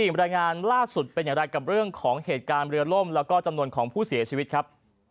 บรรยายงานล่าสุดเป็นอย่างไรกับเรื่องของเหตุการณ์เรือล่มแล้วก็จำนวนของผู้เสียชีวิตครับ